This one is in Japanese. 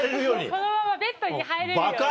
このままベッドに入れるように。